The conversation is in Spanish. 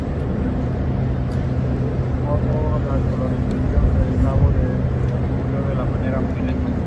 En este contexto, es a menudo conocido como compuesto verde.